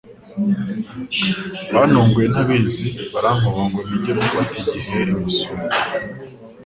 Bantunguye ntabizi barankuba ngo ninjye gufata igihe i Musumba.